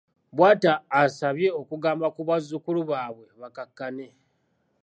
Bw'atyo abasabye okugamba ku bazzukulu baabwe bakkakkane.